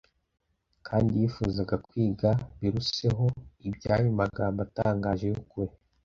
, kandi yifuzaga kwiga biruseho iby’ayo magambo atangaje y’ukuri.